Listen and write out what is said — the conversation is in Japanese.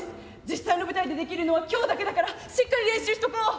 実際の舞台でできるのは今日だけだからしっかり練習しとこう！